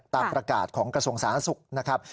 ตามประกาศของกระทรวงสาธารณสุขนะครับ